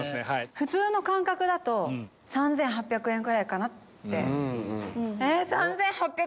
普通の感覚だと３８００円ぐらいかなって。